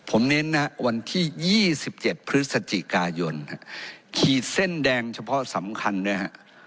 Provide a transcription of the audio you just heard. ผมเน้นนะวันที่๒๗พฤศจิกายนขีดเส้นแดงเฉพาะสำคัญด้วยฮะ